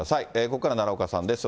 ここからは奈良岡さんです。